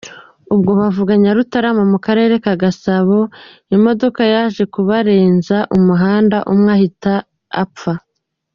Ubwo bavaga Nyarutarama mu Karere ka Gasabo, imodoka yaje kubarenza umuhanda, umwe ahita apfa.